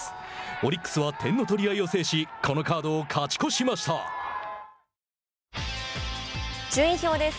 オリックスは点の取り合いを制しこのカード勝ち越しです。